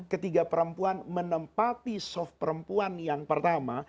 ketika perempuan menempati soft perempuan yang pertama